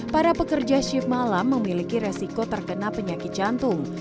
para pekerja shift malam memiliki resiko terkena penyakit jantung